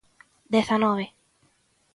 Dezanove.